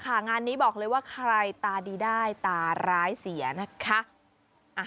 งานนี้บอกเลยว่าใครตาดีได้ตาร้ายเสียนะคะ